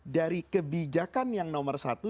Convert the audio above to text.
dari kebijakan yang nomor satu